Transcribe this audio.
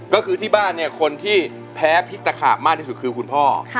ก็คือที่บ้านเนี่ยคนที่แพ้พริกตะขาบมากที่สุดคือคุณพ่อ